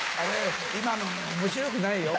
今のね面白くないよ。